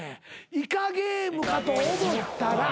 「『イカゲーム』かと思ったら」